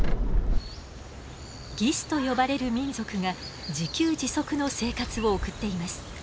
ギスと呼ばれる民族が自給自足の生活を送っています。